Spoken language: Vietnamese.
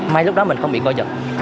may lúc đó mình không bị coi chật